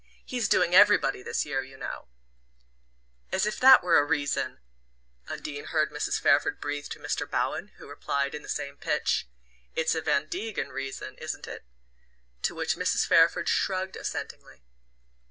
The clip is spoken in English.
"He's doing everybody this year, you know " "As if that were a reason!" Undine heard Mrs. Fairford breathe to Mr. Bowen; who replied, at the same pitch: "It's a Van Degen reason, isn't it?" to which Mrs. Fairford shrugged assentingly.